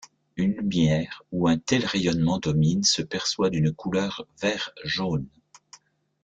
Une lumière où un tel rayonnement domine se perçoit d'une couleur vert-jaune.